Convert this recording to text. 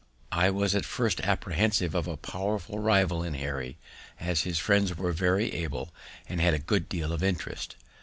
I was at first apprehensive of a powerful rival in Harry, as his friends were very able, and had a good deal of interest.